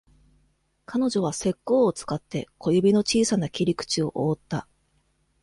彼女は石膏を使って小指の小さな切り口を覆った